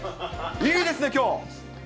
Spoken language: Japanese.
いいですね、きょう。